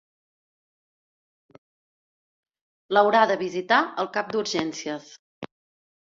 L'haurà de visitar el cap d'urgències.